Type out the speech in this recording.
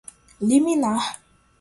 liminar